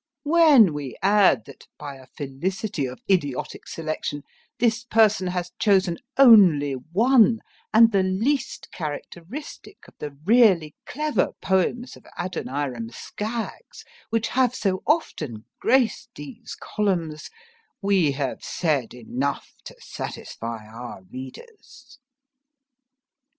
When we add that, by a felicity of idiotic selection, this person has chosen only one, and the least characteristic, of the really clever poems of Adoniram Skaggs, which have so often graced these columns, we have said enough to satisfy our readers.